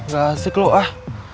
gak asik lu ah